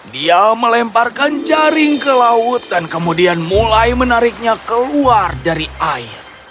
dia melemparkan jaring ke laut dan kemudian mulai menariknya keluar dari air